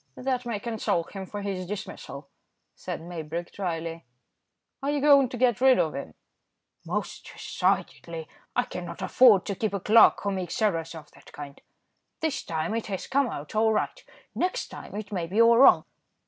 "That may console him for his dismissal," said Maybrick, dryly. "Are you going to get rid of him?" "Most decidedly. I cannot afford to keep a clerk who makes errors of that kind. This time it has come out all right; next time it may be all wrong."